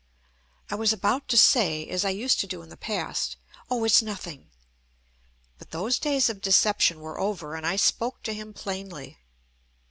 I was about to say, as I used to do in the past: "Oh! It's nothing "; but those days of deception were over, and I spoke to him plainly.